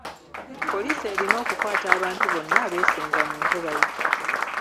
Poliisi erina okukwata abantu bonna abeesenza mu ntobazi.